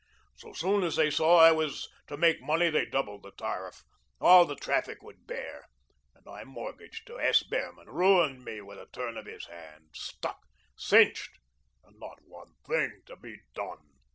So soon as they saw I was to make money they doubled the tariff all the traffic would bear and I mortgaged to S. Behrman ruined me with a turn of the hand stuck, cinched, and not one thing to be done."